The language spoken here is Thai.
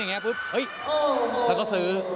เออฉันก็ซื้อ